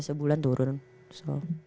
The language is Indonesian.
sebulan turun so